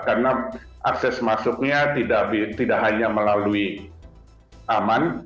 karena akses masuknya tidak hanya melalui aman